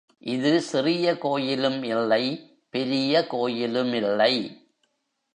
இது சிறிய கோயிலும் இல்லை பெரிய கோயிலுமில்லை.